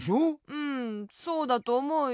うんそうだとおもうよ。